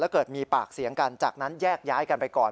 เกิดมีปากเสียงกันจากนั้นแยกย้ายกันไปก่อน